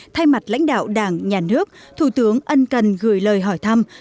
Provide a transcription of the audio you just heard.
thay mặt lãnh đạo đảng nhà nước thủ tướng ân cần gửi lời hỏi thăm